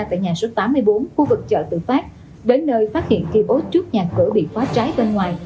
tại nhà số tám mươi bốn khu vực chợ tự phát đến nơi phát hiện kios trước nhà cửa bị phá trái bên ngoài